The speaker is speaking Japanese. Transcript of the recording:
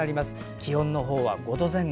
気温の方は５度前後。